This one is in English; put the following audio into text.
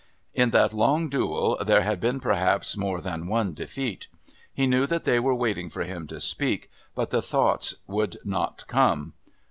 In that long duel there had been perhaps more than one defeat. He knew that they were waiting for him to speak, but the thoughts would not come.